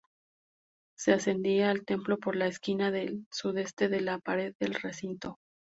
Se accedía al templo por la esquina del sudeste de la pared del recinto.